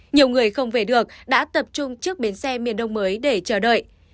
nhiều người không về được đã tập trung trước bến xe miền đông mới để chờ đợi